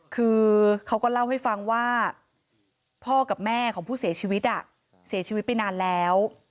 คือเขาก็เล่าให้ฟังว่าพ่อกับแม่ของผู้เสียชีวิตเสียชีวิตไปนานแล้ว